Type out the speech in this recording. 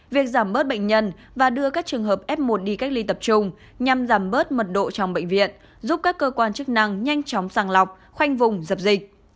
việc giảm bớt bệnh nhân và đưa các trường hợp f một đi cách ly tập trung nhằm giảm bớt mật độ trong bệnh viện giúp các cơ quan chức năng nhanh chóng sàng lọc khoanh vùng dập dịch